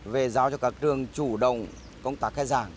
về giao cho các trường chủ động công tác khai giảng